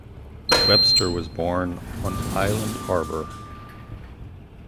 Webster was born on Island Harbour.